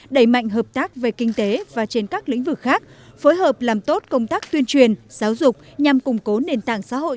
đẩy mạnh hợp tác về kinh tế và trên các lĩnh vực khác phối hợp làm tốt công tác tuyên truyền giáo dục nhằm củng cố nền tảng xã hội